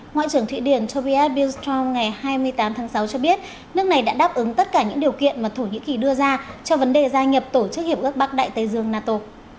ngoại trưởng thụy điển choviet billscho ngày hai mươi tám tháng sáu cho biết nước này đã đáp ứng tất cả những điều kiện mà thổ nhĩ kỳ đưa ra cho vấn đề gia nhập tổ chức hiệp ước bắc đại tây dương nato